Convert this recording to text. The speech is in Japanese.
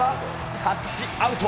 タッチアウト。